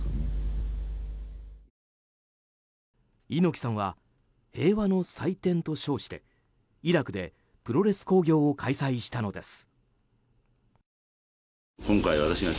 猪木さんは平和の祭典と称してイラクでプロレス興行を開催したのです。